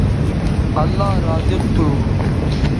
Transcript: اللہ رازق تھو